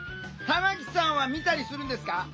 玉木さんは見たりするんですか？